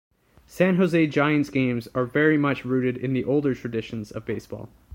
San Jose Giants games are very much rooted in the older traditions of baseball.